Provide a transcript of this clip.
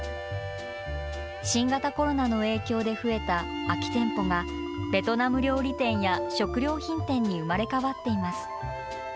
新型コロナの影響で増えた空き店舗が、ベトナム料理店や食料品店に生まれ変わっています。